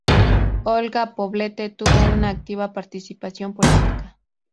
Olga Poblete tuvo una activa participación política.